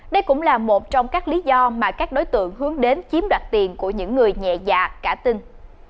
đây cũng là một trong các lý do mà các đối tượng hướng đến chiếm đoạt tiền của những người nhẹ dạ cả tin